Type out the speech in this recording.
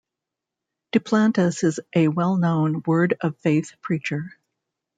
Duplantis is a well-known Word of Faith preacher.